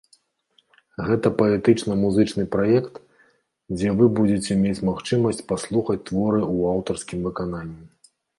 Гэта паэтычна-музычны праект, дзе вы будзеце мець магчымасць паслухаць творы ў аўтарскім выкананні.